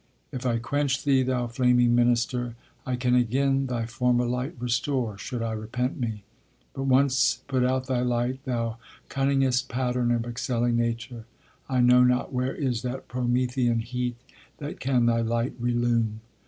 If I quench thee, thou flaming minister, I can again thy former light restore, Should I repent me: But once put out thy light, Thou cunning'st pattern of excelling nature; I know not where is that Promethean heat, That can thy light relume.